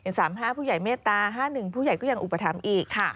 ๓๕ผู้ใหญ่เมตตา๕๑ผู้ใหญ่ก็ยังอุปถัมภ์อีกค่ะ